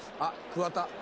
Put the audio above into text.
桑田。